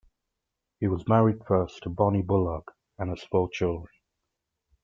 He was married first to Bonnie Bullough and has four children.